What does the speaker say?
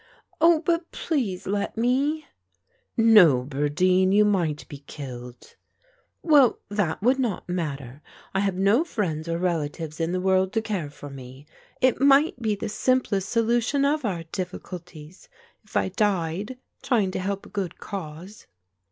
"Oh, but please let me." "No, birdeen, you might be killed." "Well, that would not matter. I have no friends or relatives in the world to care for me; it might be the simplest solution of our difficulties, if I died trying to help a good cause."